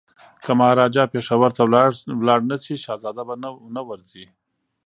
که مهاراجا پېښور ته لاړ نه شي شهزاده به نه ورځي.